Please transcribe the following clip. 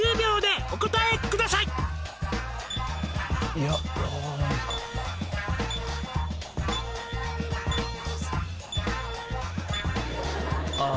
いやああ